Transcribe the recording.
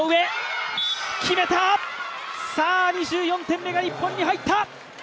２４点目が日本に入った！